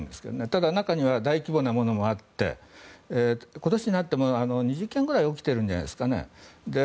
ただ中には大規模なものもあって今年になっても２０件ぐらい起きてるんじゃないですかね。